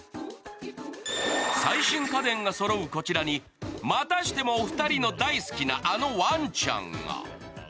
最新家電がそろうこちらに、またしてもお二人の大好きなあのワンちゃんが。